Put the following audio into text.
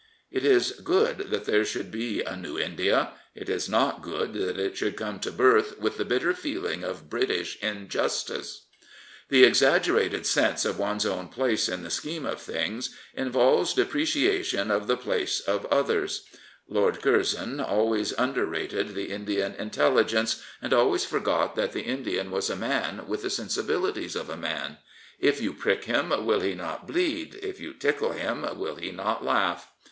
Jt is good that there should be a new India: it is not good that it should come to birth with the bitter feeling of British injustice. The exaggerated sense of one's own place in the scheme of things involves depreciation of the place of 222 Lord Curzon Others. Lord Curzon always under rated the Indian intelligence, and always forgot that the Indian was a man with the sensibilities of a man, " If you prick him, will he not bleed; if you tickle him, will he not laugh?